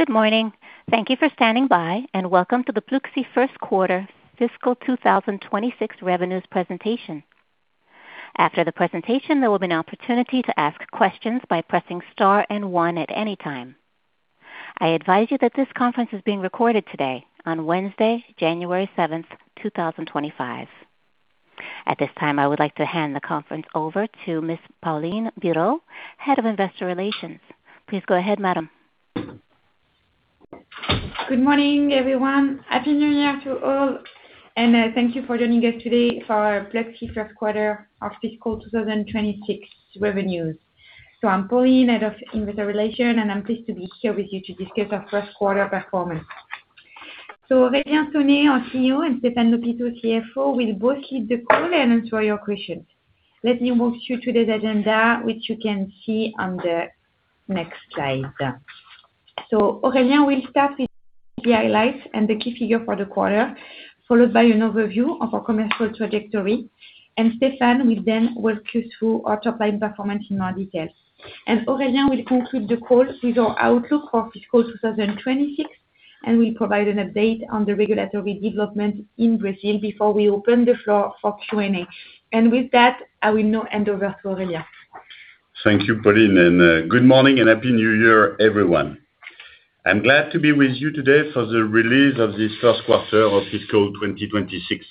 Good morning. Thank you for standing by, and welcome to the Pluxee first quarter fiscal 2026 revenues presentation. After the presentation, there will be an opportunity to ask questions by pressing star and one at any time. I advise you that this conference is being recorded today, on Wednesday, January 7th, 2025. At this time, I would like to hand the conference over to Ms. Pauline Bireaud, Head of Investor Relations. Please go ahead, Madam. Good morning, everyone. Afternoon, yeah, to all. And thank you for joining us today for Pluxee first quarter of fiscal 2026 revenues. So I'm Pauline, Head of Investor Relations, and I'm pleased to be here with you to discuss our first quarter performance. So Aurélien Sonet and Stéphane Lhopiteau, Chief Financial Officer, will both lead the call and answer your questions. Let me walk you through today's agenda, which you can see on the next slide. So Aurélien will start with the highlights and the key figures for the quarter, followed by an overview of our commercial trajectory. And Stéphane will then walk you through our top-line performance in more detail. And Aurélien will conclude the call with our outlook for fiscal 2026, and we'll provide an update on the regulatory development in Brazil before we open the floor for Q&A. And with that, I will now hand over to Aurélien. Thank you, Pauline, and good morning and happy New Year, everyone. I'm glad to be with you today for the release of this first quarter of fiscal 2026.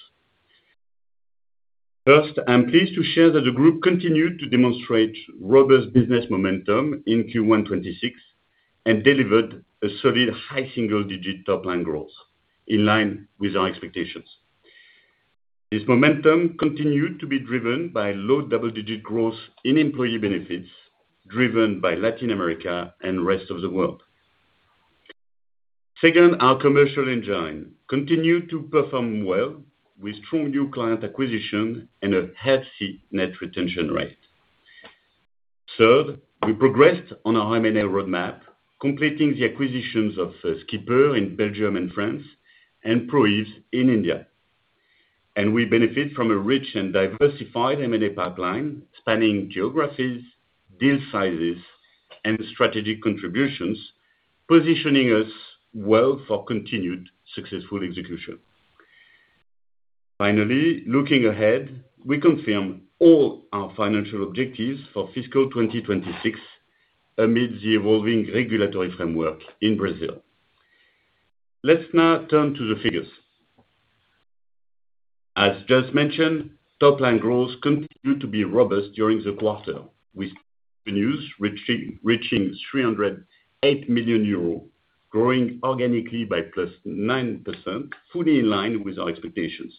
First, I'm pleased to share that the group continued to demonstrate robust business momentum in Q1 2026 and delivered a solid high single-digit top-line growth in line with our expectations. This momentum continued to be driven by low double-digit growth in employee benefits driven by Latin America and the rest of the world. Second, our commercial engine continued to perform well with strong new client acquisition and a healthy net retention rate. Third, we progressed on our M&A roadmap, completing the acquisitions of Skipper in Belgium and France and ProEves in India, and we benefit from a rich and diversified M&A pipeline spanning geographies, deal sizes, and strategic contributions, positioning us well for continued successful execution. Finally, looking ahead, we confirm all our financial objectives for Fiscal 2026 amid the evolving regulatory framework in Brazil. Let's now turn to the figures. As just mentioned, top-line growth continued to be robust during the quarter, with revenues reaching 308 million euros, growing organically by 9%, fully in line with our expectations.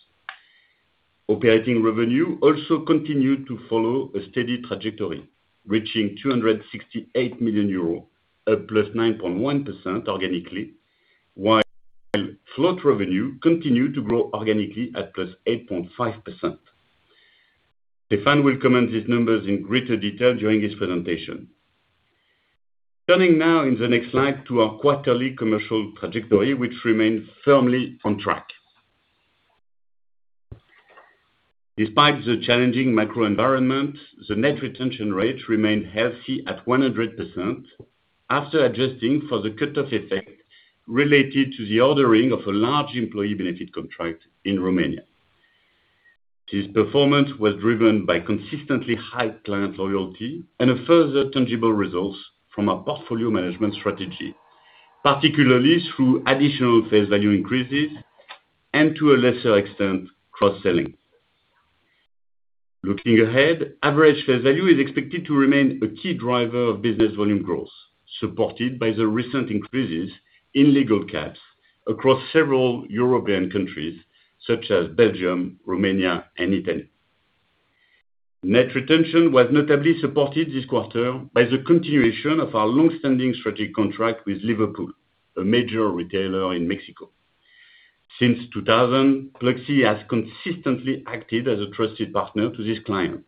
Operating revenue also continued to follow a steady trajectory, reaching 268 million euros, up +9.1% organically, while float revenue continued to grow organically at +8.5%. Stéphane will comment on these numbers in greater detail during his presentation. Turning now to the next slide to our quarterly commercial trajectory, which remained firmly on track. Despite the challenging macro environment, the net retention rate remained healthy at 100% after adjusting for the cut-off effect related to the ordering of a large employee benefit contract in Romania. This performance was driven by consistently high client loyalty and a further tangible result from our portfolio management strategy, particularly through additional face value increases and, to a lesser extent, cross-selling. Looking ahead, average face value is expected to remain a key driver of business volume growth, supported by the recent increases in legal caps across several European countries such as Belgium, Romania, and Italy. Net retention was notably supported this quarter by the continuation of our long-standing strategic contract with Liverpool, a major retailer in Mexico. Since 2000, Pluxee has consistently acted as a trusted partner to this client,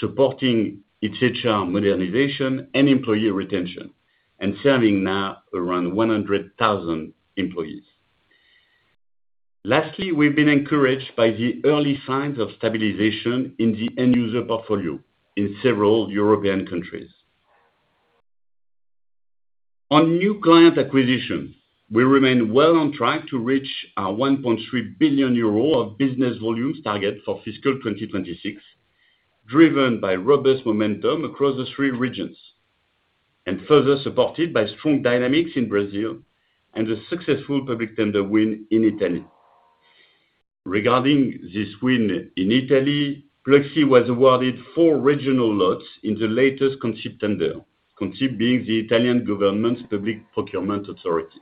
supporting its HR modernization and employee retention and serving now around 100,000 employees. Lastly, we've been encouraged by the early signs of stabilization in the end-user portfolio in several European countries. On new client acquisitions, we remain well on track to reach our 1.3 billion euro of business volumes target for fiscal 2026, driven by robust momentum across the three regions and further supported by strong dynamics in Brazil and a successful public tender win in Italy. Regarding this win in Italy, Pluxee was awarded four regional lots in the latest Consip tender, Consip being the Italian government's public procurement authority.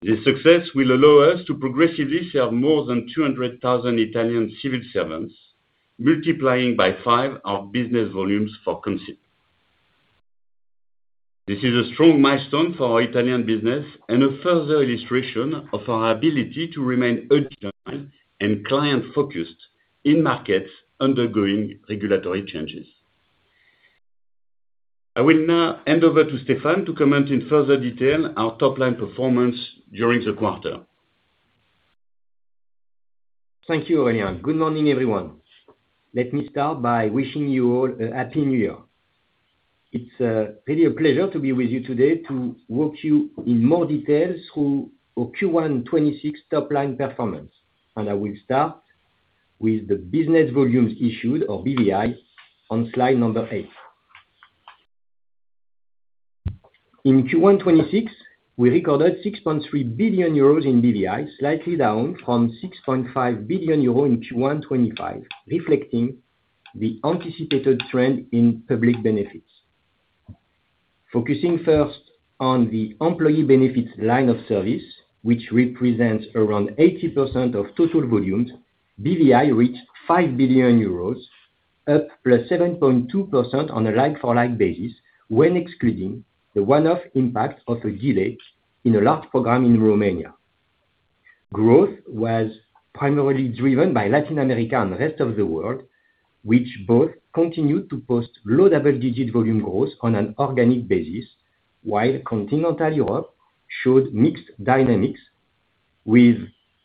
This success will allow us to progressively serve more than 200,000 Italian civil servants, multiplying by five our business volumes for Consip. This is a strong milestone for our Italian business and a further illustration of our ability to remain agile and client-focused in markets undergoing regulatory changes. I will now hand over to Stéphane to comment in further detail on our top-line performance during the quarter. Thank you, Aurélien. Good morning, everyone. Let me start by wishing you all a happy New Year. It's really a pleasure to be with you today to walk you in more detail through our Q1 2026 top-line performance. And I will start with the business volumes issued, or BVI, on slide number eight. In Q1 2026, we recorded 6.3 billion euros in BVI, slightly down from 6.5 billion euros in Q1 2025, reflecting the anticipated trend in public benefits. Focusing first on the employee benefits line of service, which represents around 80% of total volumes, BVI reached 5 billion euros, up +7.2% on a like-for-like basis when excluding the one-off impact of a delay in a large program in Romania. Growth was primarily driven by Latin America and the rest of the world, which both continued to post low double-digit volume growth on an organic basis, while Continental Europe showed mixed dynamics with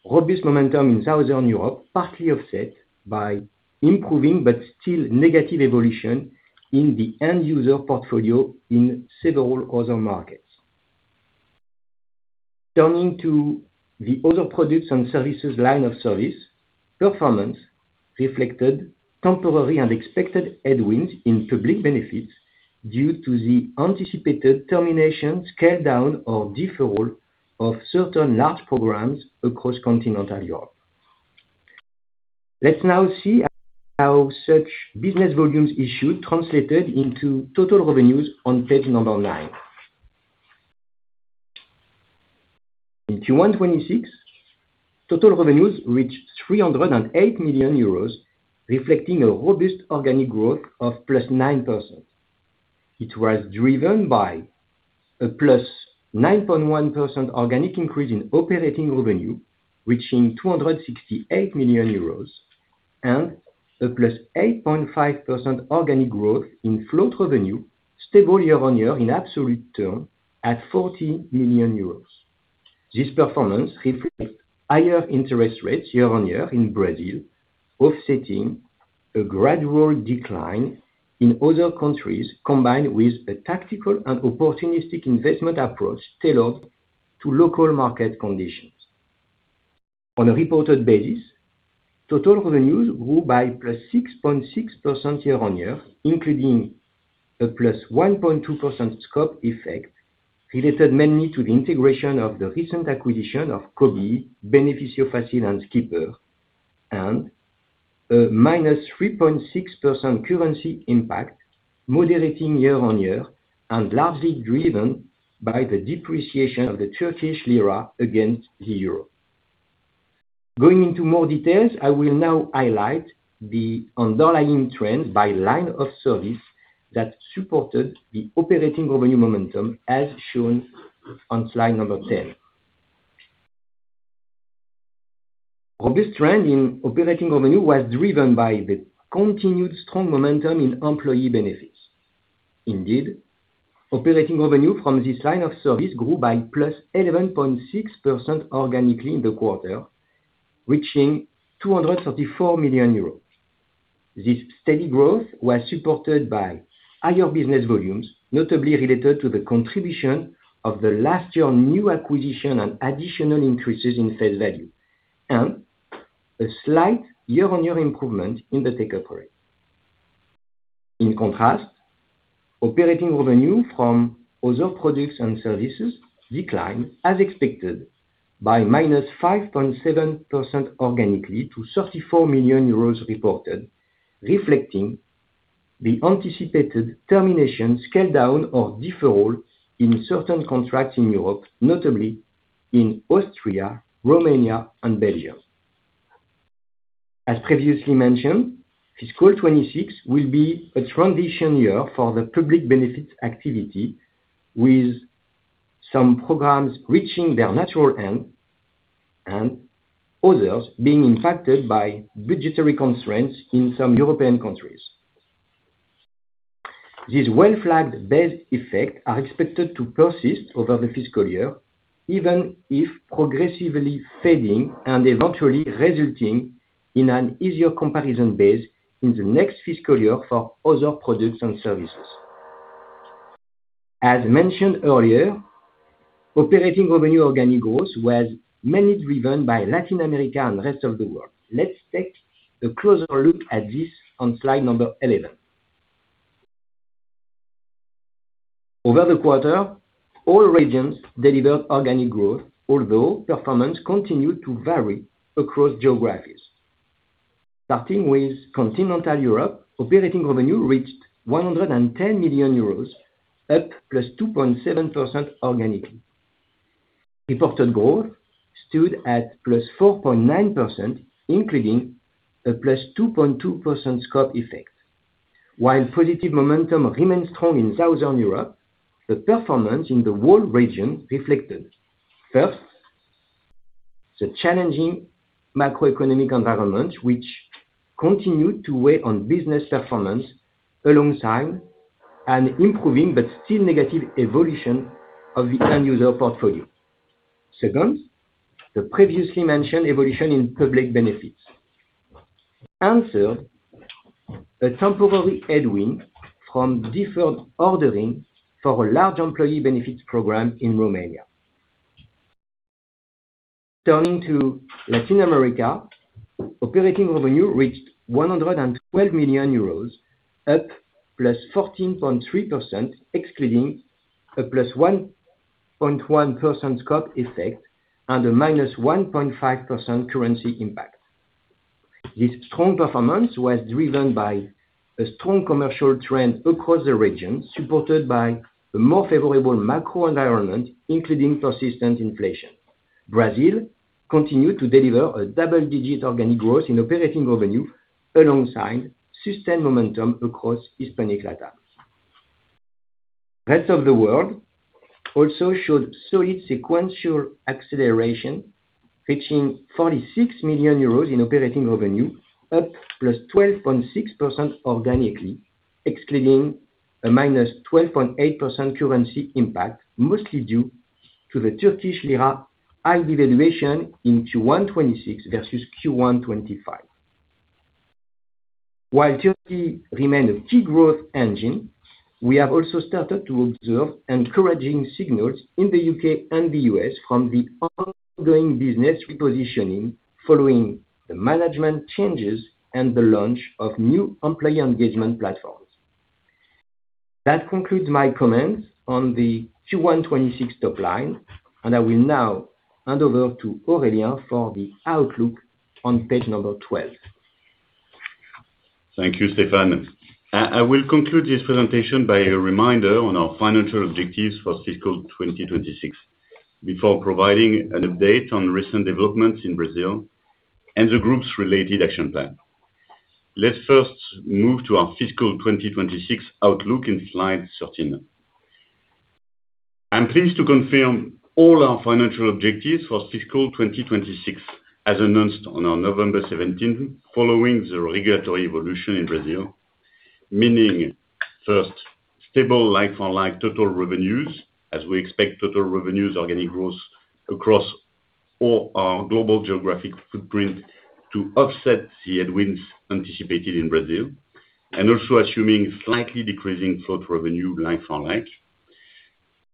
robust momentum in Southern Europe, partly offset by improving but still negative evolution in the end-user portfolio in several other markets. Turning to the other products and services line of service, performance reflected temporary and expected headwinds in public benefits due to the anticipated termination, scale-down, or deferral of certain large programs across Continental Europe. Let's now see how such Business Volumes Issued translated into total revenues on page number nine. In Q1 2026, total revenues reached 308 million euros, reflecting a robust organic growth of +9%. It was driven by a +9.1% organic increase in operating revenue, reaching 268 million euros, and a +8.5% organic growth in float revenue, stable year-on-year in absolute terms at 40 million euros. This performance reflects higher interest rates year-on-year in Brazil, offsetting a gradual decline in other countries combined with a tactical and opportunistic investment approach tailored to local market conditions. On a reported basis, total revenues grew by +6.6% year-on-year, including a +1.2% scope effect related mainly to the integration of the recent acquisition of Cobee, Ben Benefícios and Skipper, and a -3.6% currency impact, moderating year-on-year and largely driven by the depreciation of the Turkish lira against the euro. Going into more details, I will now highlight the underlying trends by line of service that supported the operating revenue momentum as shown on slide number 10. Robust trend in operating revenue was driven by the continued strong momentum in employee benefits. Indeed, operating revenue from this line of service grew by +11.6% organically in the quarter, reaching 234 million euros. This steady growth was supported by higher business volumes, notably related to the contribution of the last year's new acquisition and additional increases in face value, and a slight year-on-year improvement in the take-up rate. In contrast, operating revenue from other products and services declined as expected by -5.7% organically to 34 million euros reported, reflecting the anticipated termination, scale-down, or deferral in certain contracts in Europe, notably in Austria, Romania, and Belgium. As previously mentioned, fiscal 2026 will be a transition year for the public benefits activity, with some programs reaching their natural end and others being impacted by budgetary constraints in some European countries. These well-flagged base effects are expected to persist over the fiscal year, even if progressively fading and eventually resulting in an easier comparison base in the next fiscal year for other products and services. As mentioned earlier, operating revenue organic growth was mainly driven by Latin America and the rest of the world. Let's take a closer look at this on slide number 11. Over the quarter, all regions delivered organic growth, although performance continued to vary across geographies. Starting with Continental Europe, operating revenue reached 110 million euros, up +2.7% organically. Reported growth stood at +4.9%, including a +2.2% scope effect. While positive momentum remained strong in Southern Europe, the performance in the world regions reflected, first, the challenging macroeconomic environment, which continued to weigh on business performance alongside an improving but still negative evolution of the end-user portfolio. Second, the previously mentioned evolution in public benefits. And third, a temporary headwind from deferred ordering for a large employee benefits program in Romania. Turning to Latin America, operating revenue reached 112 million euros, up +14.3%, excluding a +1.1% scope effect and a -1.5% currency impact. This strong performance was driven by a strong commercial trend across the region, supported by a more favorable macro environment, including persistent inflation. Brazil continued to deliver a double-digit organic growth in operating revenue alongside sustained momentum across Hispanic Latam. The rest of the world also showed solid sequential acceleration, reaching 46 million euros in operating revenue, up +12.6% organically, excluding a -12.8% currency impact, mostly due to the Turkish lira's high devaluation in Q1 2026 versus Q1 2025. While Turkey remained a key growth engine, we have also started to observe encouraging signals in the U.K. and the U.S. from the ongoing business repositioning following the management changes and the launch of new employee engagement platforms. That concludes my comments on the Q1 2026 top line, and I will now hand over to Aurélien for the outlook on page number 12. Thank you, Stéphane. I will conclude this presentation by a reminder on our financial objectives for fiscal 2026 before providing an update on recent developments in Brazil and the group's related action plan. Let's first move to our fiscal 2026 outlook in slide 13. I'm pleased to confirm all our financial objectives for fiscal 2026 as announced on November 17, following the regulatory evolution in Brazil, meaning, first, stable like-for-like total revenues, as we expect total revenue organic growth across all our global geographic footprint to offset the headwinds anticipated in Brazil, and also assuming slightly decreasing float revenue like-for-like.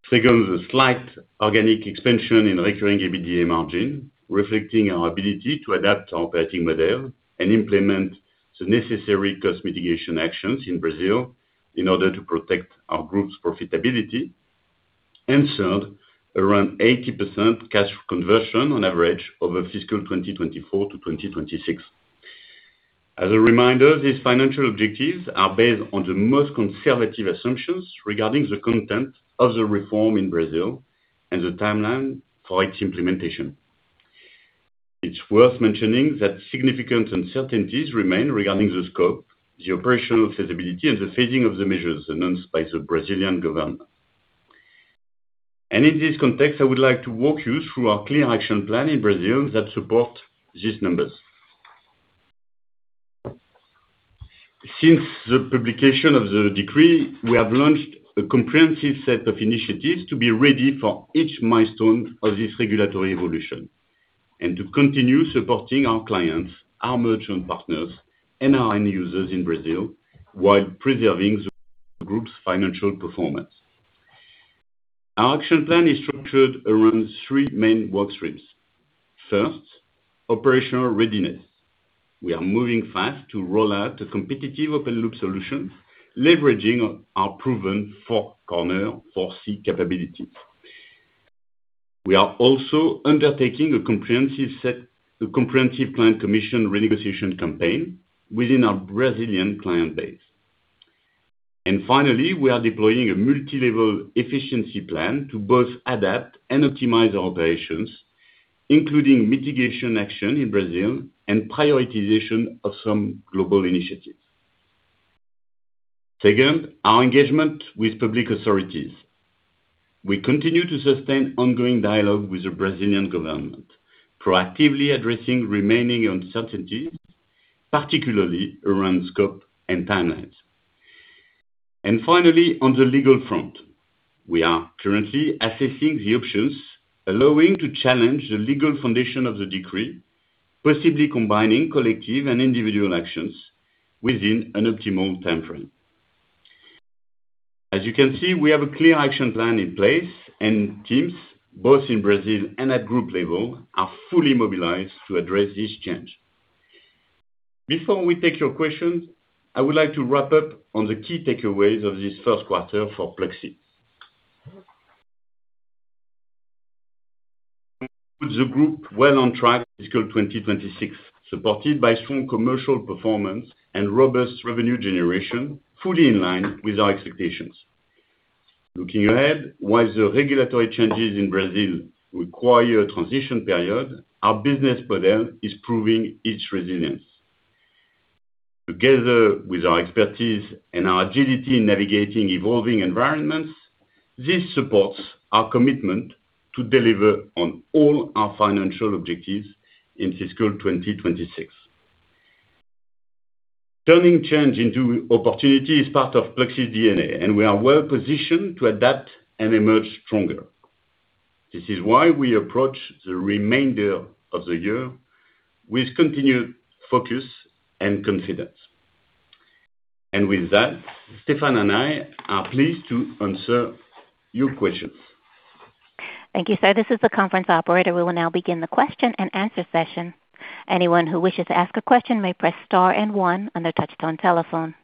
Second, a slight organic expansion in recurring EBITDA margin, reflecting our ability to adapt our operating model and implement the necessary cost mitigation actions in Brazil in order to protect our group's profitability. And third, around 80% cash conversion on average over fiscal 2024 to 2026. As a reminder, these financial objectives are based on the most conservative assumptions regarding the content of the reform in Brazil and the timeline for its implementation. It's worth mentioning that significant uncertainties remain regarding the scope, the operational feasibility, and the phasing of the measures announced by the Brazilian government. In this context, I would like to walk you through our clear action plan in Brazil that supports these numbers. Since the publication of the decree, we have launched a comprehensive set of initiatives to be ready for each milestone of this regulatory evolution and to continue supporting our clients, our merchant partners, and our end-users in Brazil while preserving the group's financial performance. Our action plan is structured around three main work streams. First, operational readiness. We are moving fast to roll out the competitive open-loop solutions, leveraging our proven four-corner model capabilities. We are also undertaking a comprehensive planned commission renegotiation campaign within our Brazilian client base, and finally, we are deploying a multilevel efficiency plan to both adapt and optimize our operations, including mitigation action in Brazil and prioritization of some global initiatives. Second, our engagement with public authorities. We continue to sustain ongoing dialogue with the Brazilian government, proactively addressing remaining uncertainties, particularly around scope and timelines, and finally, on the legal front, we are currently assessing the options, allowing to challenge the legal foundation of the decree, possibly combining collective and individual actions within an optimal timeframe. As you can see, we have a clear action plan in place, and teams both in Brazil and at group level are fully mobilized to address this change. Before we take your questions, I would like to wrap up on the key takeaways of this first quarter for Pluxee. The group is well on track for fiscal 2026, supported by strong commercial performance and robust revenue generation, fully in line with our expectations. Looking ahead, while the regulatory changes in Brazil require a transition period, our business model is proving its resilience. Together with our expertise and our agility in navigating evolving environments, this supports our commitment to deliver on all our financial objectives in fiscal 2026. Turning change into opportunity is part of Pluxee's DNA, and we are well positioned to adapt and emerge stronger. This is why we approach the remainder of the year with continued focus and confidence, and with that, Stéphane and I are pleased to answer your questions. Thank you, sir. This is the conference operator. We will now begin the question and answer session. Anyone who wishes to ask a question may press star and one on their touchstone telephone.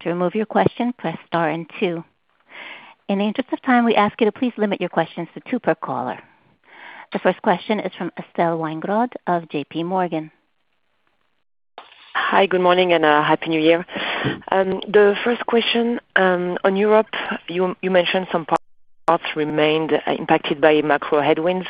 To remove your question, press star and two. In the interest of time, we ask you to please limit your questions to two per caller. The first question is from Estelle Weingrod of JPMorgan. Hi, good morning and happy New Year. The first question, on Europe, you mentioned some parts remained impacted by macro headwinds.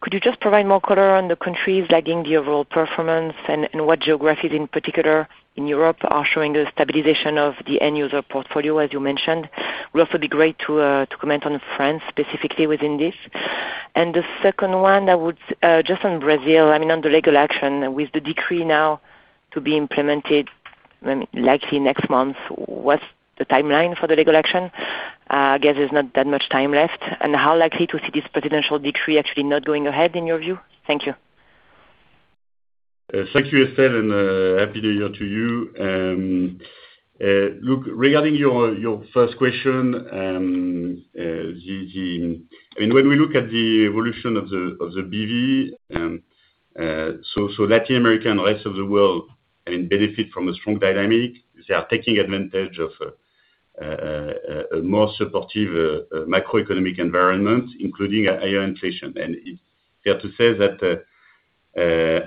Could you just provide more color on the countries lagging the overall performance and what geographies in particular in Europe are showing a stabilization of the end-user portfolio, as you mentioned? It would also be great to comment on France specifically within this. And the second one, just on Brazil, I mean, on the legal action, with the decree now to be implemented likely next month, what's the timeline for the legal action? I guess there's not that much time left. And how likely to see this presidential decree actually not going ahead in your view? Thank you. Thank you, Estelle, and happy New Year to you. Look, regarding your first question, I mean, when we look at the evolution of the BV, so Latin America and the rest of the world, I mean, benefit from a strong dynamic. They are taking advantage of a more supportive macroeconomic environment, including higher inflation, and it's fair to say that,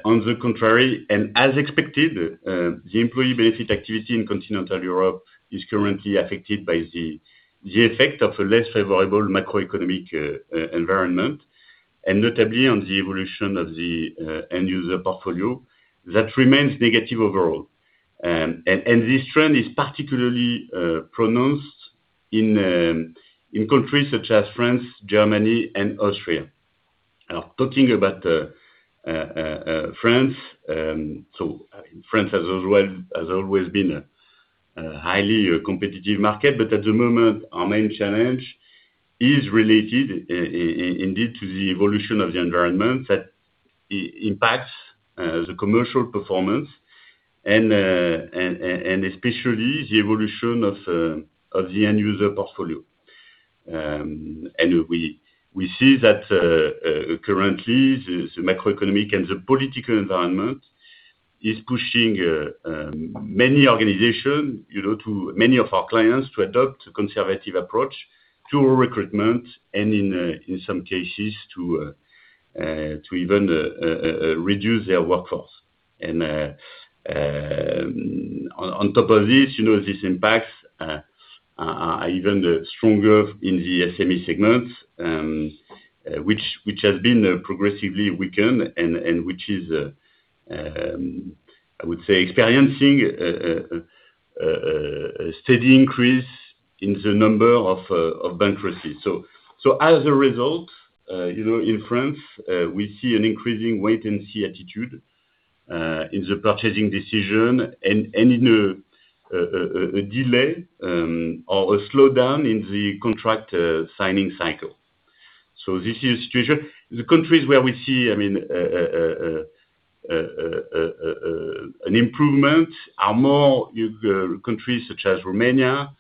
on the contrary, and as expected, the employee benefit activity in Continental Europe is currently affected by the effect of a less favorable macroeconomic environment, and notably on the evolution of the end-user portfolio that remains negative overall, and this trend is particularly pronounced in countries such as France, Germany, and Austria. Talking about France, so France has always been a highly competitive market, but at the moment, our main challenge is related indeed to the evolution of the environment that impacts the commercial performance and especially the evolution of the end-user portfolio. And we see that currently, the macroeconomic and the political environment is pushing many organizations, many of our clients, to adopt a conservative approach to recruitment and, in some cases, to even reduce their workforce. And on top of this, these impacts are even stronger in the SME segment, which has been progressively weakened and which is, I would say, experiencing a steady increase in the number of bankruptcies. So, as a result, in France, we see an increasing wait-and-see attitude in the purchasing decision and in a delay or a slowdown in the contract signing cycle. This is a situation the countries where we see, I mean, an improvement are more countries such as Romania,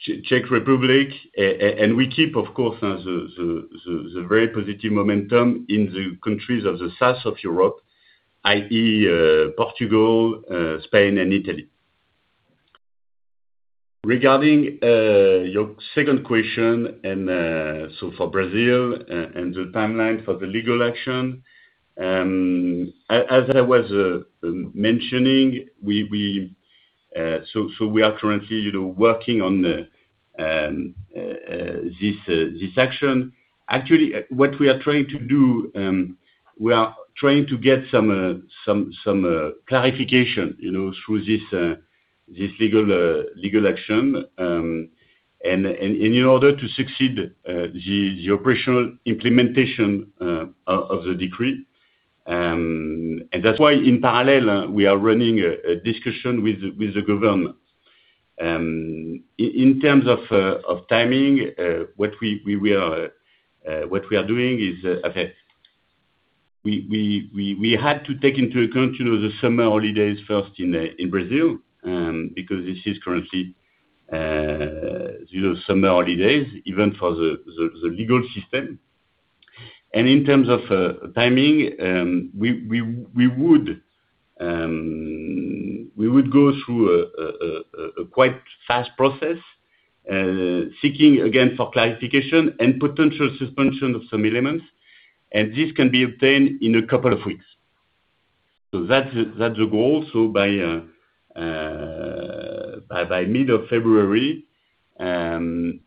Czech Republic, and we keep, of course, the very positive momentum in the countries of the South of Europe, i.e., Portugal, Spain, and Italy. Regarding your second question, and so for Brazil and the timeline for the legal action, as I was mentioning, so we are currently working on this action. Actually, what we are trying to do, we are trying to get some clarification through this legal action. In order to succeed, the operational implementation of the decree, and that's why, in parallel, we are running a discussion with the government. In terms of timing, what we are doing is, okay, we had to take into account the summer holidays first in Brazil because this is currently summer holidays, even for the legal system. And in terms of timing, we would go through a quite fast process seeking, again, for clarification and potential suspension of some elements, and this can be obtained in a couple of weeks. So that's the goal. So by mid-February,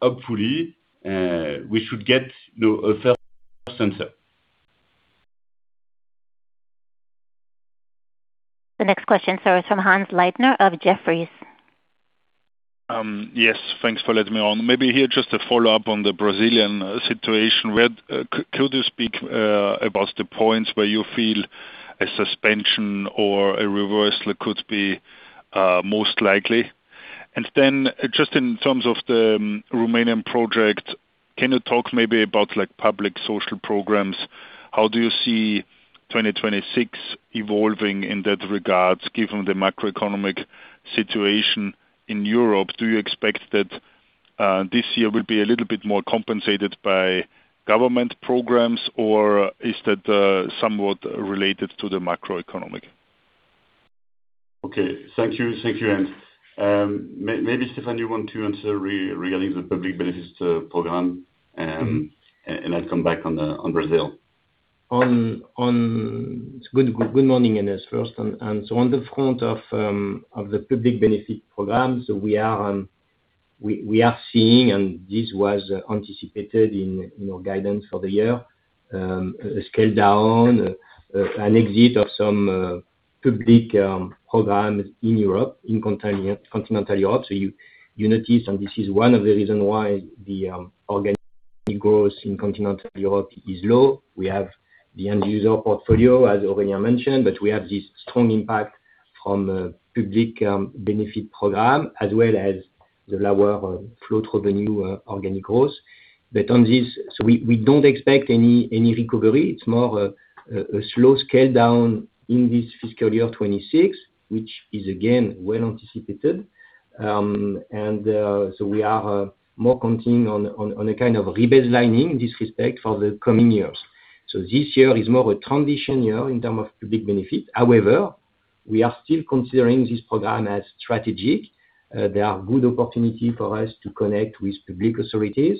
hopefully, we should get a first answer. The next question, sir, is from Hannes Leitner of Jefferies. Yes, thanks for letting me on. Maybe here, just a follow-up on the Brazilian situation. Could you speak about the points where you feel a suspension or a reversal could be most likely? And then, just in terms of the Romanian project, can you talk maybe about public social programs? How do you see 2026 evolving in that regard, given the macroeconomic situation in Europe? Do you expect that this year will be a little bit more compensated by government programs, or is that somewhat related to the macroeconomic? Okay. Thank you. Thank you, Anne. Maybe, Stéphane, you want to answer regarding the public benefits program, and I'll come back on Brazil. Good morning, Ernest, first, and so on the front of the public benefit program, so we are seeing, and this was anticipated in our guidance for the year, a scale-down, an exit of some public programs in Europe, in Continental Europe, so you notice, and this is one of the reasons why the organic growth in Continental Europe is low. We have the end-user portfolio, as Aurélien mentioned, but we have this strong impact from public benefit program, as well as the lower float revenue organic growth, but on this, so we don't expect any recovery. It's more a slow scale-down in this fiscal year 2026, which is, again, well anticipated, and so we are more counting on a kind of rebaselining in this respect for the coming years, so this year is more a transition year in terms of public benefits. However, we are still considering this program as strategic. There are good opportunities for us to connect with public authorities,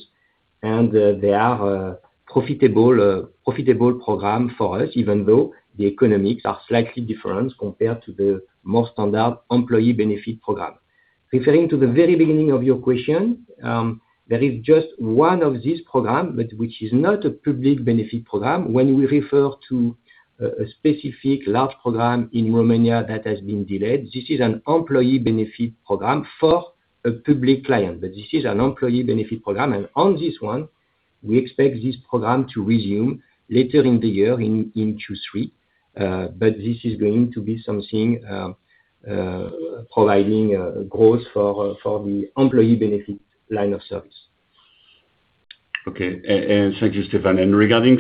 and they are a profitable program for us, even though the economics are slightly different compared to the more standard employee benefit program. Referring to the very beginning of your question, there is just one of these programs, which is not a public benefit program. When we refer to a specific large program in Romania that has been delayed, this is an employee benefit program for a public client. But this is an employee benefit program. And on this one, we expect this program to resume later in the year, in Q3. But this is going to be something providing growth for the employee benefit line of service. Okay. And thank you, Stéphane. And regarding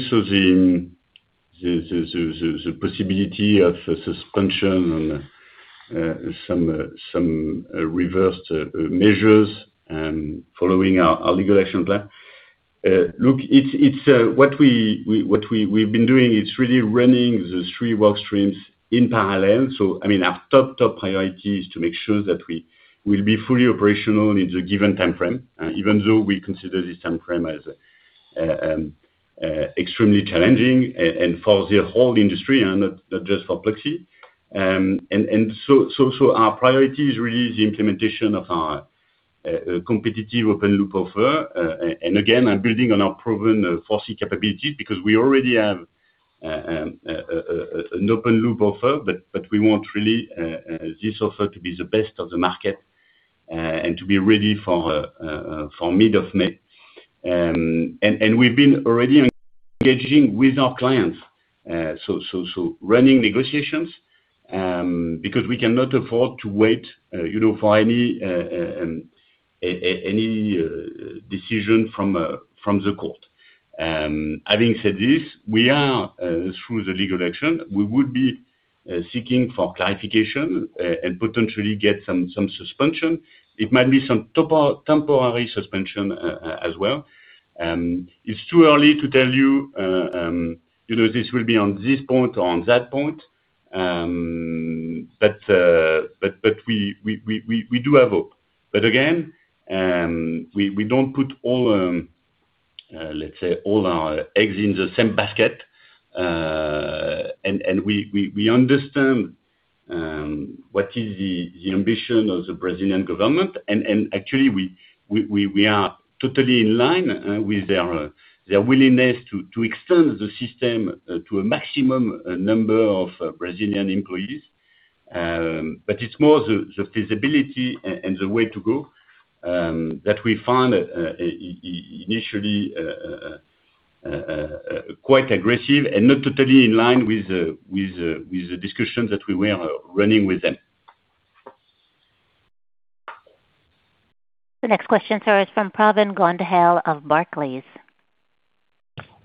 the possibility of suspension and some reversed measures following our legal action plan, look, what we've been doing, it's really running the three work streams in parallel. So, I mean, our top, top priority is to make sure that we will be fully operational in the given timeframe, even though we consider this timeframe as extremely challenging and for the whole industry, not just for Pluxee. Our priority is really the implementation of our competitive open-loop offer. And again, I'm building on our proven offering capabilities because we already have an open-loop offer, but we want really this offer to be the best of the market and to be ready for mid-May. And we've been already engaging with our clients, so running negotiations because we cannot afford to wait for any decision from the court. Having said this, we are, through the legal action, seeking for clarification and potentially getting some suspension. It might be some temporary suspension as well. It's too early to tell you this will be on this point or on that point, but we do have hope. But again, we don't put all, let's say, all our eggs in the same basket. And we understand what is the ambition of the Brazilian government. And actually, we are totally in line with their willingness to extend the system to a maximum number of Brazilian employees. But it's more the feasibility and the way to go that we found initially quite aggressive and not totally in line with the discussions that we were running with them. The next question, sir, is from Praveen Gondhale of Barclays.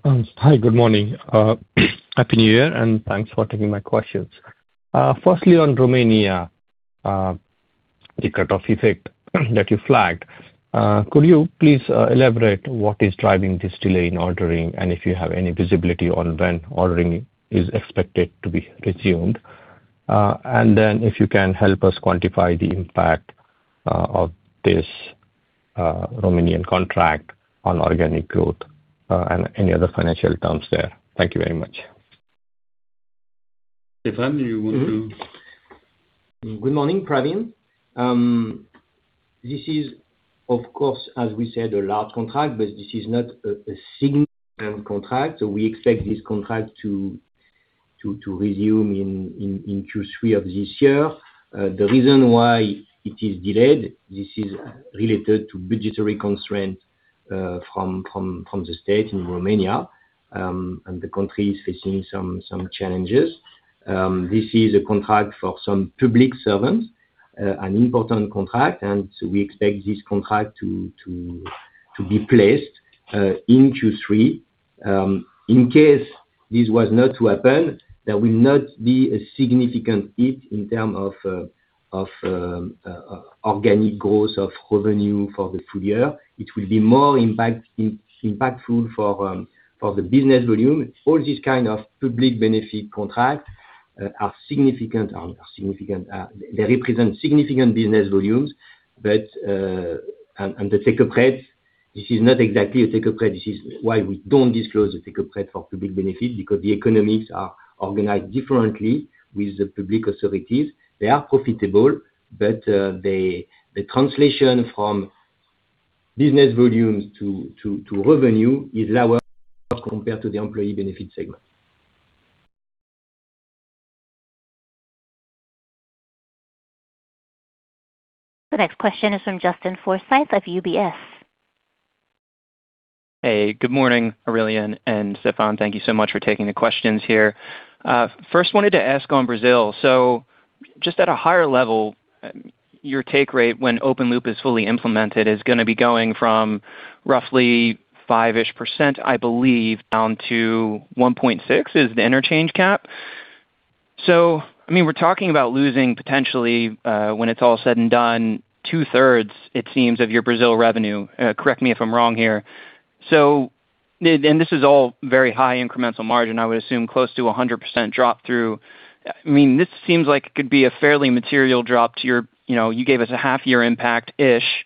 Hi, good morning. Happy New Year, and thanks for taking my questions. Firstly, on Romania, the cut-off effect that you flagged, could you please elaborate what is driving this delay in ordering and if you have any visibility on when ordering is expected to be resumed? And then if you can help us quantify the impact of this Romanian contract on organic growth and any other financial terms there? Thank you very much. Stéphane, you want to? Good morning, Pravin. This is, of course, as we said, a large contract, but this is not a single-term contract. So we expect this contract to resume in Q3 of this year. The reason why it is delayed, this is related to budgetary constraints from the state in Romania, and the country is facing some challenges. This is a contract for some public servants, an important contract. And so we expect this contract to be placed in Q3. In case this was not to happen, there will not be a significant hit in terms of organic growth of revenue for the full year. It will be more impactful for the business volume. All these kinds of public benefit contracts are significant. They represent significant business volumes. But on the take-up rate, this is not exactly a take-up rate. This is why we don't disclose the take-up rate for Public Benefits because the economics are organized differently with the public authorities. They are profitable, but the translation from business volumes to revenue is lower compared to the Employee Benefits segment. The next question is from Justin Forsythe of UBS. Hey, good morning, Aurélien and Stéphane. Thank you so much for taking the questions here. First, wanted to ask on Brazil. So just at a higher level, your take rate when open-loop is fully implemented is going to be going from roughly 5%-ish, I believe, down to 1.6% is the interchange cap. So, I mean, we're talking about losing potentially, when it's all said and done, 2/3, it seems, of your Brazil revenue. Correct me if I'm wrong here. And this is all very high incremental margin, I would assume, close to 100% drop-through. I mean, this seems like it could be a fairly material drop to your you gave us a half-year impact-ish,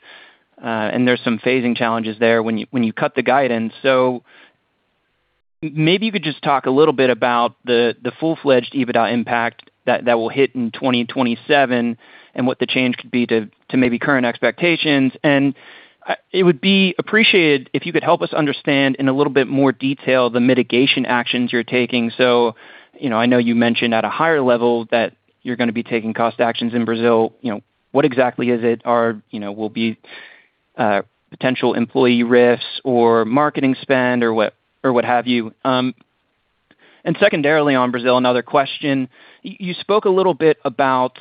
and there's some phasing challenges there when you cut the guidance. So maybe you could just talk a little bit about the full-fledged EBITDA impact that will hit in 2027 and what the change could be to maybe current expectations? And it would be appreciated if you could help us understand in a little bit more detail the mitigation actions you're taking. So I know you mentioned at a higher level that you're going to be taking cost actions in Brazil. What exactly is it? Will it be potential employee layoffs or marketing spend or what have you? And secondarily, on Brazil, another question. You spoke a little bit about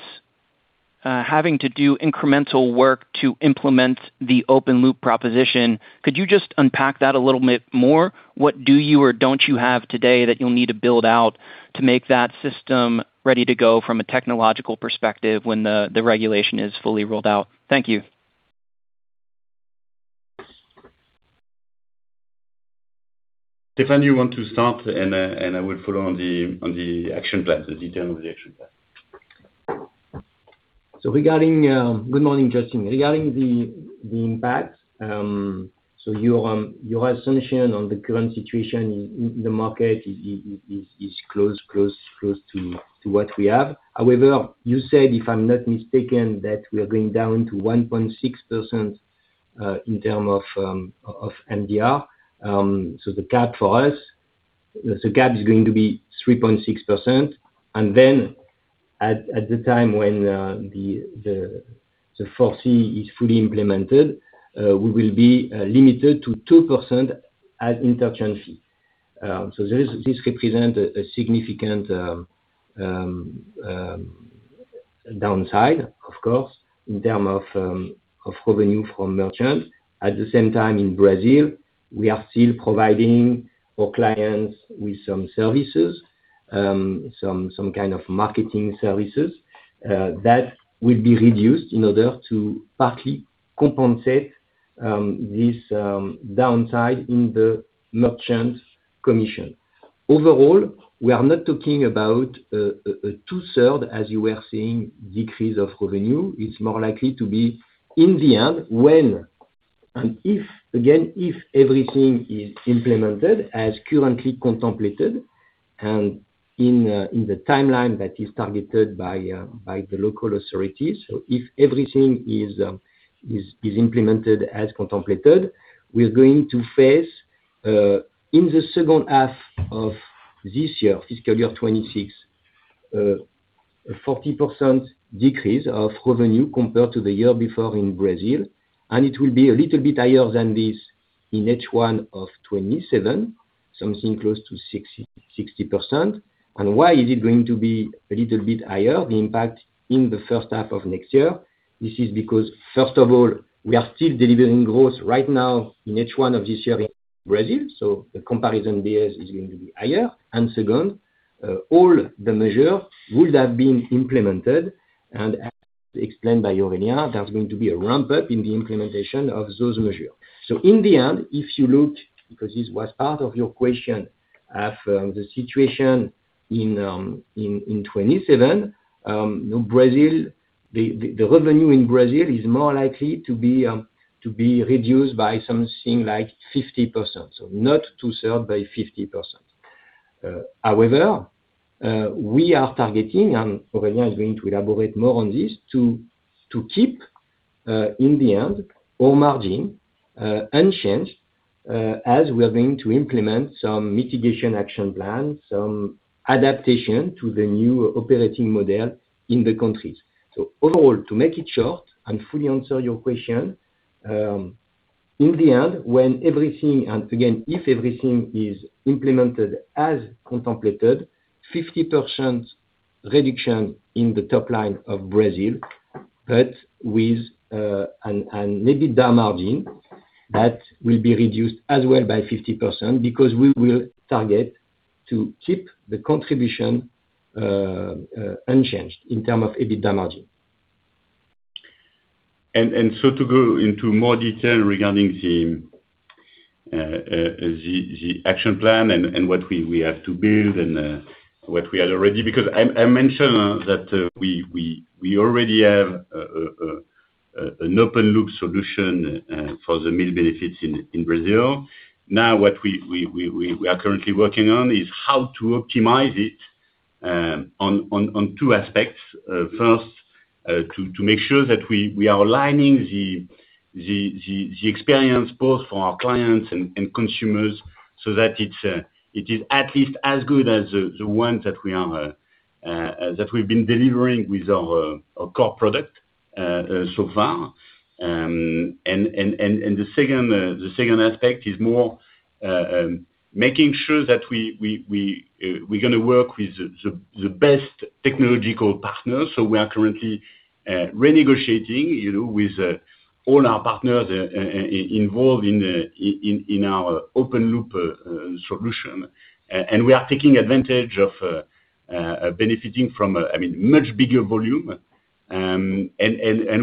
having to do incremental work to implement the open-loop proposition. Could you just unpack that a little bit more? What do you or don't you have today that you'll need to build out to make that system ready to go from a technological perspective when the regulation is fully rolled out? Thank you. Stéphane, you want to start, and I will follow on the action plan, the detail of the action plan. Good morning, Justin. Regarding the impact, your assumption on the current situation in the market is close to what we have. However, you said, if I'm not mistaken, that we are going down to 1.6% in terms of MDR. The cap for us, the cap is going to be 3.6%. Then at the time when Pluxee is fully implemented, we will be limited to 2% as interchange fee. This represents a significant downside, of course, in terms of revenue from merchants. At the same time, in Brazil, we are still providing our clients with some services, some kind of marketing services that will be reduced in order to partly compensate this downside in the merchant commission. Overall, we are not talking about a 2/3, as you were saying, decrease of revenue. It's more likely to be in the end when and if, again, if everything is implemented as currently contemplated and in the timeline that is targeted by the local authorities. So if everything is implemented as contemplated, we're going to face in the second half of this year, fiscal year 2026, a 40% decrease of revenue compared to the year before in Brazil. And it will be a little bit higher than this in H1 of 2027, something close to 60%. And why is it going to be a little bit higher, the impact in the first half of next year? This is because, first of all, we are still delivering growth right now in H1 of this year in Brazil. So the comparison there is going to be higher. And second, all the measures would have been implemented. As explained by Aurélien, there's going to be a ramp-up in the implementation of those measures. In the end, if you look, because this was part of your question, of the situation in 2027, the revenue in Brazil is more likely to be reduced by something like 50%, so not 2/3 but 50%. However, we are targeting, and Aurélien is going to elaborate more on this, to keep in the end our margin unchanged as we are going to implement some mitigation action plan, some adaptation to the new operating model in the countries. Overall, to make it short and fully answer your question, in the end, when everything and again, if everything is implemented as contemplated, 50% reduction in the top line of Brazil, but with an EBITDA margin that will be reduced as well by 50% because we will target to keep the contribution unchanged in terms of EBITDA margin. And so, to go into more detail regarding the action plan and what we have to build and what we had already, because I mentioned that we already have an open-loop solution for the meal benefits in Brazil. Now, what we are currently working on is how to optimize it on two aspects. First, to make sure that we are aligning the experience both for our clients and consumers so that it is at least as good as the one that we've been delivering with our core product so far. And the second aspect is more making sure that we're going to work with the best technological partners. So we are currently renegotiating with all our partners involved in our open-loop solution. And we are taking advantage of benefiting from, I mean, much bigger volume. And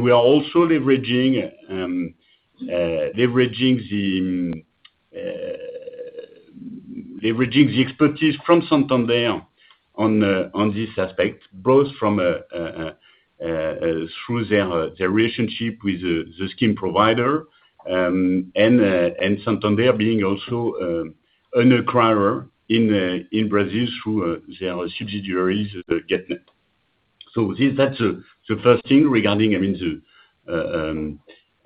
we are also leveraging the expertise from Santander on this aspect, both through their relationship with the scheme provider and Santander being also an acquirer in Brazil through their subsidiaries, Getnet. So that's the first thing regarding, I mean,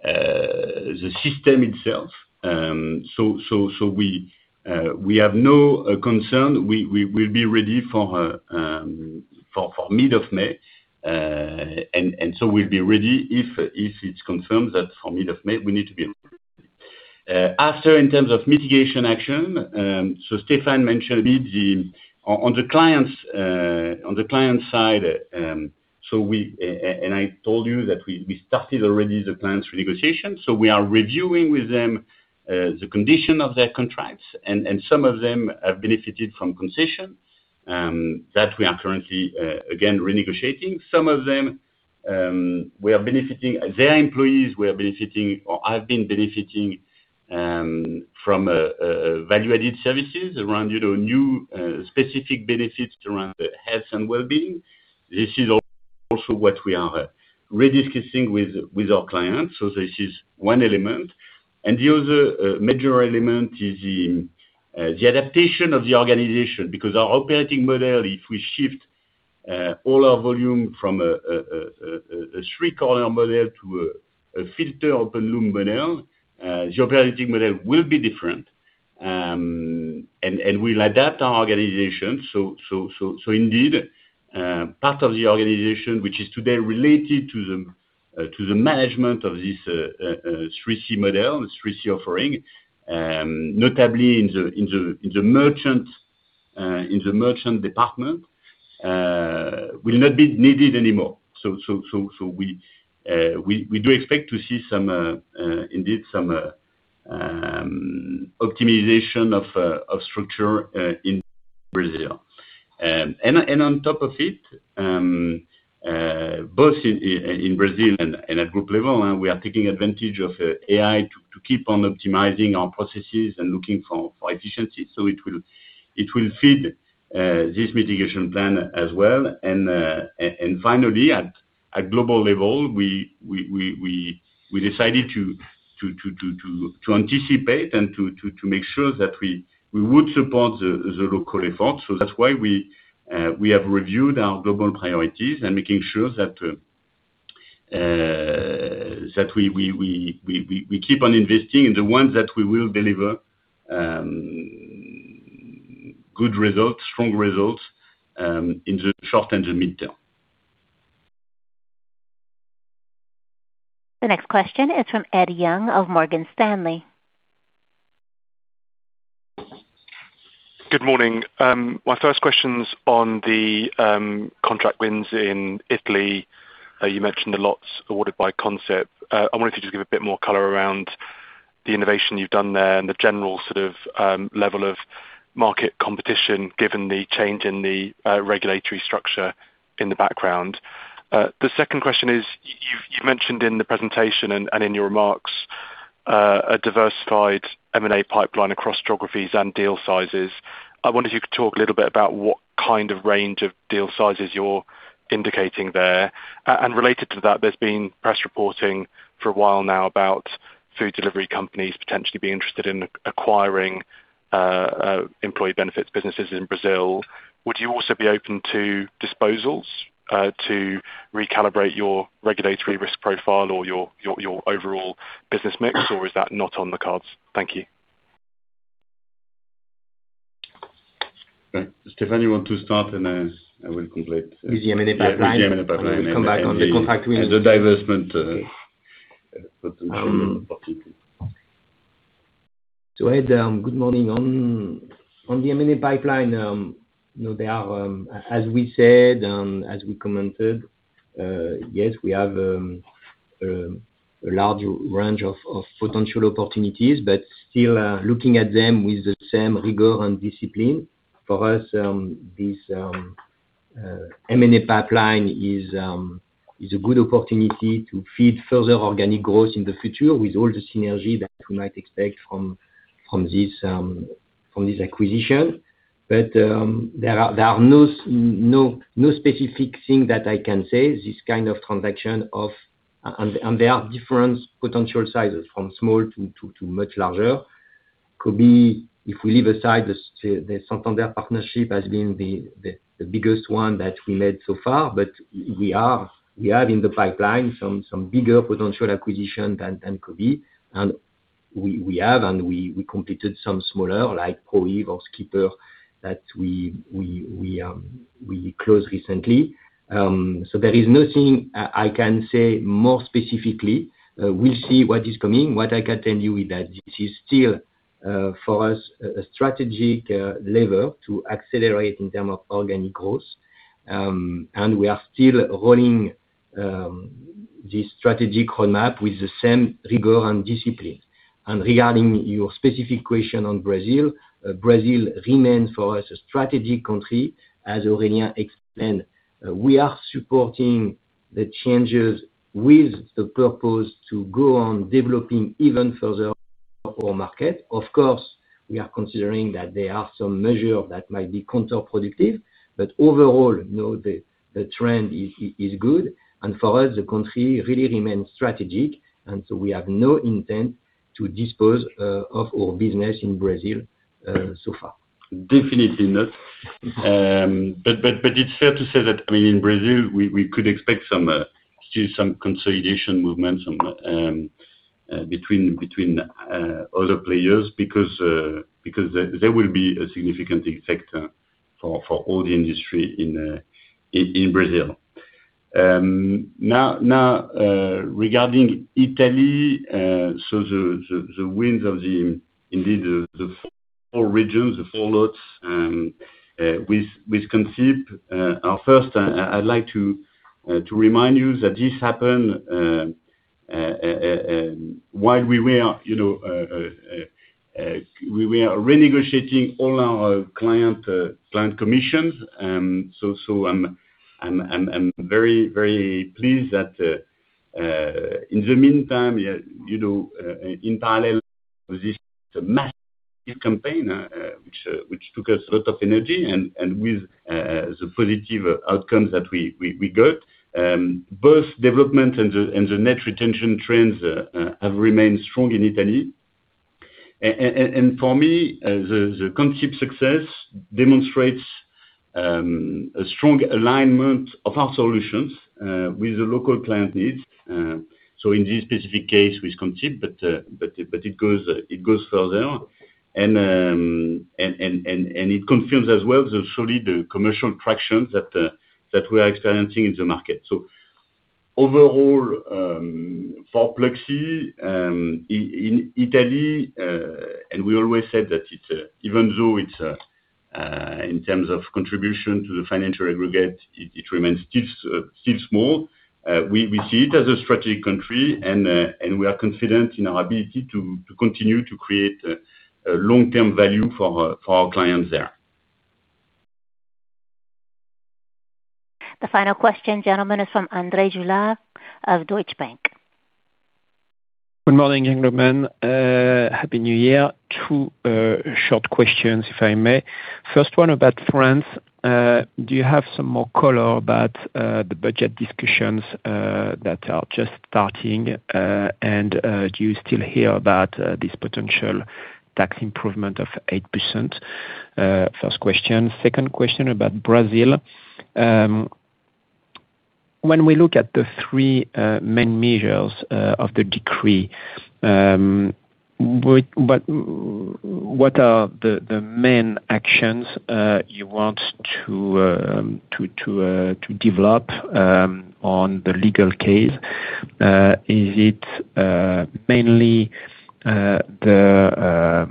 the system itself. So we have no concern. We will be ready for mid-May. And so we'll be ready if it's confirmed that for mid-May, we need to be ready. After, in terms of mitigation action, so Stéphane mentioned on the client's side, and I told you that we started already the client's renegotiation. So we are reviewing with them the condition of their contracts. And some of them have benefited from concession that we are currently, again, renegotiating. Some of them, we are benefiting their employees, we are benefiting or have been benefiting from value-added services around new specific benefits around health and well-being. This is also what we are rediscussing with our clients. So this is one element. And the other major element is the adaptation of the organization because our operating model, if we shift all our volume from a three-corner model to a fuller open-loop model, the operating model will be different. And we'll adapt our organization. So indeed, part of the organization, which is today related to the management of this Pluxee model, the Pluxee offering, notably in the merchant department, will not be needed anymore. So we do expect to see indeed some optimization of structure in Brazil. And on top of it, both in Brazil and at group level, we are taking advantage of AI to keep on optimizing our processes and looking for efficiencies. So it will feed this mitigation plan as well. And finally, at global level, we decided to anticipate and to make sure that we would support the local efforts. So that's why we have reviewed our global priorities and making sure that we keep on investing in the ones that we will deliver good results, strong results in the short and the mid-term. The next question is from Ed Young of Morgan Stanley. Good morning. My first question is on the contract wins in Italy. You mentioned a lot awarded by Consip. I wanted to just give a bit more color around the innovation you've done there and the general sort of level of market competition given the change in the regulatory structure in the background. The second question is you've mentioned in the presentation and in your remarks a diversified M&A pipeline across geographies and deal sizes. I wonder if you could talk a little bit about what kind of range of deal sizes you're indicating there. And related to that, there's been press reporting for a while now about food delivery companies potentially being interested in acquiring employee benefits businesses in Brazil. Would you also be open to disposals to recalibrate your regulatory risk profile or your overall business mix, or is that not on the cards? Thank you. Stéphane, you want to start, and I will complete. Easy M&A pipeline. Easy M&A pipeline. We'll come back on the contract wins. The divestment. So Ed, good morning. On the M&A pipeline, there are, as we said and as we commented, yes, we have a large range of potential opportunities, but still looking at them with the same rigor and discipline. For us, this M&A pipeline is a good opportunity to feed further organic growth in the future with all the synergy that we might expect from this acquisition. But there are no specific thing that I can say. This kind of transaction of and there are different potential sizes from small to much larger. Cobee, if we leave aside, the Santander partnership has been the biggest one that we made so far, but we have in the pipeline some bigger potential acquisition than Cobee. And we have, and we completed some smaller like ProEves or Skipper that we closed recently. So there is nothing I can say more specifically. We'll see what is coming. What I can tell you is that this is still, for us, a strategic lever to accelerate in terms of organic growth. And we are still rolling this strategic roadmap with the same rigor and discipline. And regarding your specific question on Brazil, Brazil remains for us a strategic country. As Aurélien explained, we are supporting the changes with the purpose to go on developing even further our market. Of course, we are considering that there are some measures that might be counterproductive, but overall, the trend is good. And for us, the country really remains strategic. And so we have no intent to dispose of our business in Brazil so far. Definitely not, but it's fair to say that, I mean, in Brazil, we could expect still some consolidation movements between other players because there will be a significant effect for all the industry in Brazil. Now, regarding Italy, so the wins in the four regions, the four lots, with Consip. First, I'd like to remind you that this happened while we were renegotiating all our client commissions. So I'm very, very pleased that in the meantime, in parallel with this massive campaign, which took us a lot of energy and with the positive outcomes that we got, both development and the net retention trends have remained strong in Italy, and for me, the Consip success demonstrates a strong alignment of our solutions with the local client needs, so in this specific case with Consip, but it goes further. It confirms as well solid commercial traction that we are experiencing in the market. Overall, for Pluxee, in Italy, and we always said that even though in terms of contribution to the financial aggregate, it remains still small, we see it as a strategic country, and we are confident in our ability to continue to create long-term value for our clients there. The final question, gentlemen, is from André Juillard of Deutsche Bank. Good morning, gentlemen. Happy New Year. Two short questions, if I may. First one about France. Do you have some more color about the budget discussions that are just starting? And do you still hear about this potential tax improvement of 8%? First question. Second question about Brazil. When we look at the three main measures of the decree, what are the main actions you want to develop on the legal case? Is it mainly the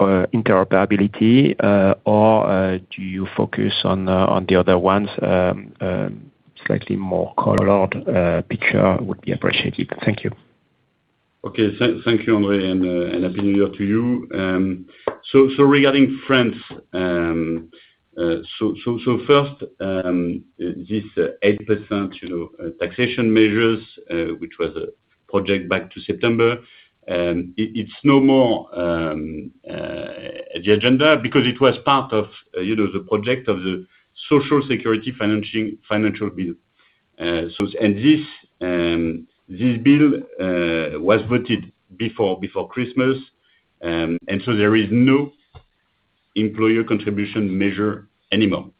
interoperability, or do you focus on the other ones? Slightly more colored picture would be appreciated. Thank you. Okay. Thank you, André, and happy New Year to you, so regarding France, so first, this 8% taxation measures, which was a project back to September, it's no more on the agenda because it was part of the project of the Social Security Financial Bill, and this bill was voted before Christmas, and so there is no employer contribution measure anymore,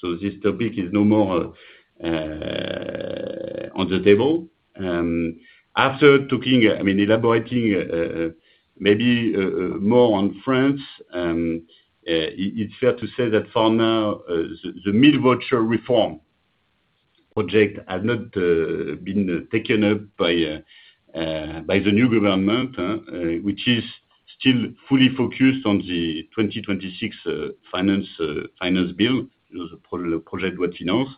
so this topic is no more on the table. After talking, I mean, elaborating maybe more on France, it's fair to say that for now, the meal-voucher reform project has not been taken up by the new government, which is still fully focused on the 2026 finance bill, the project that finances,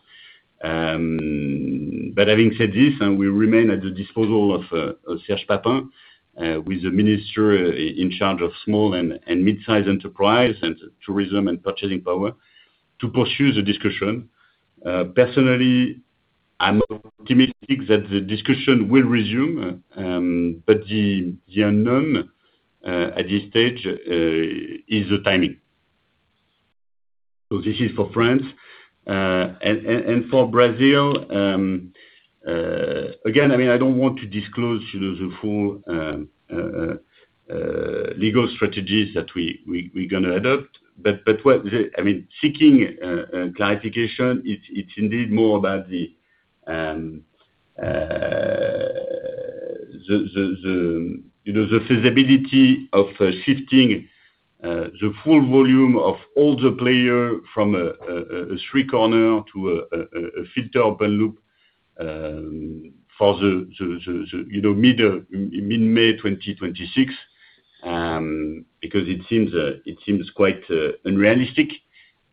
but having said this, we remain at the disposal of Serge Papin, who is the Minister in charge of small and mid-size enterprises and tourism and purchasing power, to pursue the discussion. Personally, I'm optimistic that the discussion will resume, but the unknown at this stage is the timing. So this is for France. And for Brazil, again, I mean, I don't want to disclose the full legal strategies that we're going to adopt. But I mean, seeking clarification, it's indeed more about the feasibility of shifting the full volume of all the players from a three-corner to a four-corner open-loop for the mid-May 2026 because it seems quite unrealistic.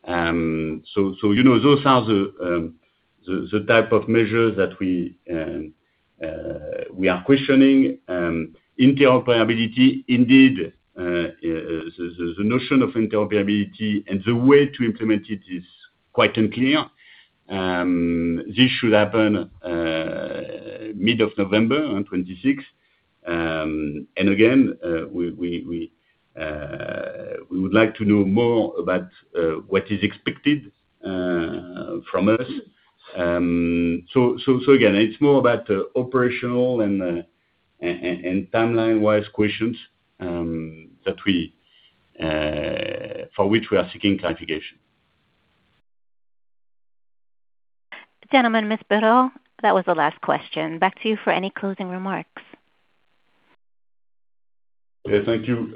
So those are the type of measures that we are questioning. Interoperability, indeed, the notion of interoperability and the way to implement it is quite unclear. This should happen mid-November 2026. And again, we would like to know more about what is expected from us. So again, it's more about operational and timeline-wise questions for which we are seeking clarification. Gentlemen, Ms. Bireaud, that was the last question. Back to you for any closing remarks. Okay. Thank you.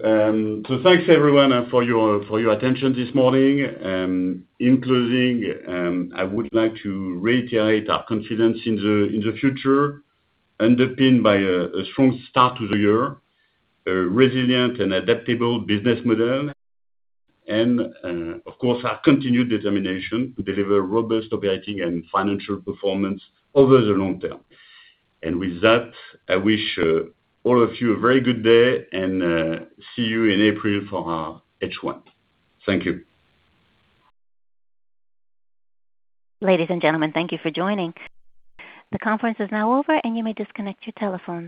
So thanks, everyone, for your attention this morning. In closing, I would like to reiterate our confidence in the future, underpinned by a strong start to the year, a resilient and adaptable business model, and, of course, our continued determination to deliver robust operating and financial performance over the long term. And with that, I wish all of you a very good day and see you in April for our H1. Thank you. Ladies and gentlemen, thank you for joining. The conference is now over, and you may disconnect your telephone.